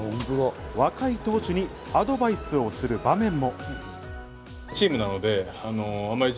若い投手にアドバイスをする場面も。